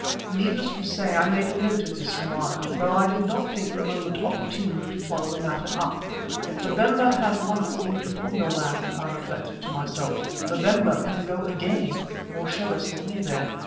Needless to say, I made a note of this remark, though I did not think the moment opportune to follow the matter up. If Babemba has once been to Pongo land, I reflected to myself, Babemba can go again or show us the way there.